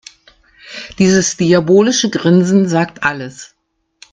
Dieses diabolische Grinsen sagt alles.